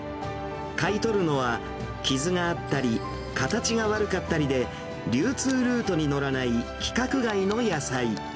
買い取るのは傷があったり、形が悪かったりで、流通ルートに乗らない規格外の野菜。